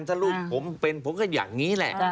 ถ้าลูกผมเป็นผมก็อย่างนี้แหละ